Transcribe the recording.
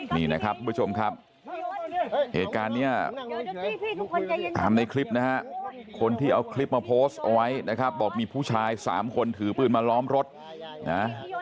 นี่นะครับทุกผู้ชมครับเหตุการณ์เนี่ยตามในคลิปนะฮะคนที่เอาคลิปมาโพสต์เอาไว้นะครับบอกมีผู้ชายสามคนถือปืนมาล้อมรถนะ